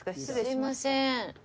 すいません。